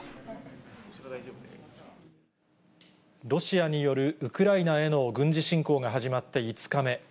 ロシアによるウクライナへの軍事侵攻が始まって５日目。